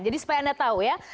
jadi supaya anda tahu ya